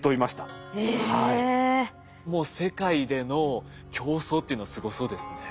もう世界での競争っていうのはすごそうですね。